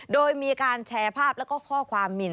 โดยมีการแชร์ภาพแล้วก็ข้อความหมิน